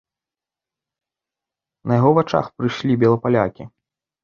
На яго вачах прыйшлі белапалякі.